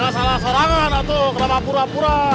ya salah sarangan atuh kenapa pura pura